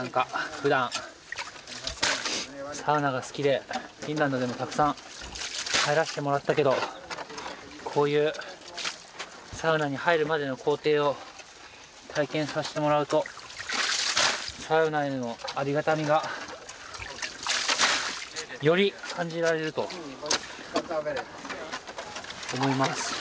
ふだんサウナが好きでフィンランドでもたくさん入らせてもらったけどこういうサウナに入るまでの工程を体験さしてもらうとサウナへのありがたみがより感じられると思います。